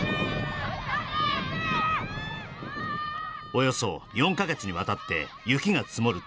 およそ４カ月にわたって雪が積もる